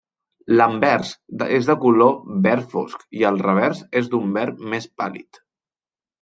L'anvers és de color verd fosc, i el revers és d'un verd més pàl·lid.